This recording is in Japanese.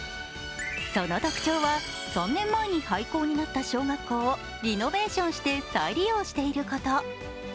その特徴は３年前に廃校になった小学校をリノベーションして再利用していること。